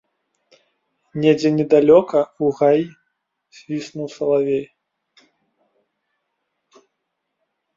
Недзе недалёка, у гаі, свіснуў салавей.